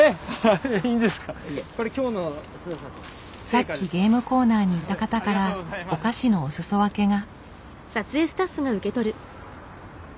さっきゲームコーナーにいた方からお菓子のおすそ分けが。